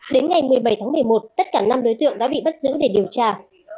đến ngày một mươi bảy tháng một mươi một tất cả năm đối tượng đã bị bắt giữ để điều tra